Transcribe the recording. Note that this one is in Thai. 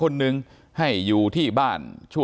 ขอบคุณมากครับขอบคุณมากครับ